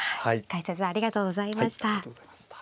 解説ありがとうございました。